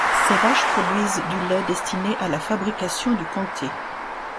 Ces vaches produisent du lait destiné à la fabrication du comté.